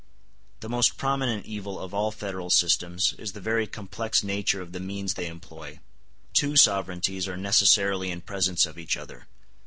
The most prominent evil of all Federal systems is the very complex nature of the means they employ. Two sovereignties are necessarily in presence of each other.